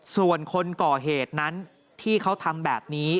ส่วนคนก่อเหตุนั้นที่เขาทำแบบนี้